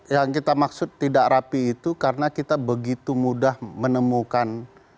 yang kita maksud tidak rapi itu karena kita begitu mudah menemukan